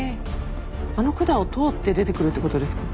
あの管を通って出てくるってことですか？